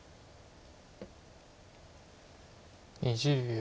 ２０秒。